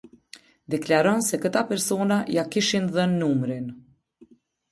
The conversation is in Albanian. Deklaron se këta persona ja kishin dhënë numrin.